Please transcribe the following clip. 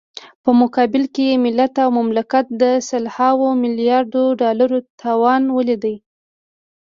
په مقابل کې يې ملت او مملکت د سلهاوو ملیاردو ډالرو تاوان وليد.